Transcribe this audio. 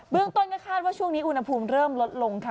เรื่องต้นก็คาดว่าช่วงนี้อุณหภูมิเริ่มลดลงค่ะ